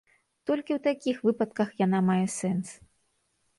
Толькі ў такіх выпадках яна мае сэнс.